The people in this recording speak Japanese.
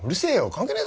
関係ねえ